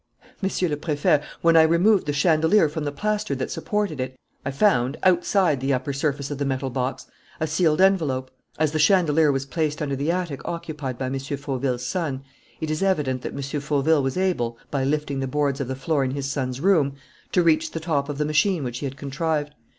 "Monsieur le Préfet, when I removed the chandelier from the plaster that supported it, I found, outside the upper surface of the metal box, a sealed envelope. As the chandelier was placed under the attic occupied by M. Fauville's son, it is evident that M. Fauville was able, by lifting the boards of the floor in his son's room, to reach the top of the machine which he had contrived.